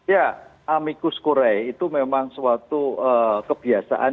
ya amicus kure itu memang suatu kebiasaan